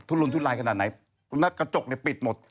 ลุนทุลายขนาดไหนกระจกเนี่ยปิดหมด